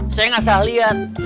saya gak salah liat